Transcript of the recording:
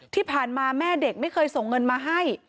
ที่ผ่านมาแม่เด็กไม่เคยส่งเงินมาให้